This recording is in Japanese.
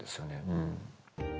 うん。